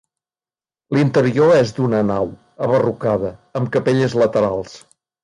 L'interior és d'una nau, abarrocada, amb capelles laterals.